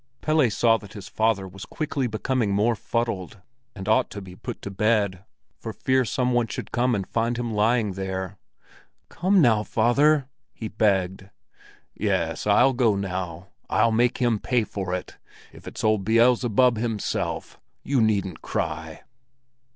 Pelle saw that his father was quickly becoming more fuddled, and ought to be put to bed for fear some one should come and find him lying there. "Come now, father!" he begged. "Yes, I'll go now. I'll make him pay for it, if it's old Beelzebub himself! You needn't cry!"